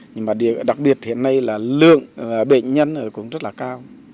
nhưng mà đặc biệt hiện nay là lượng bệnh nhân cũng rất là cao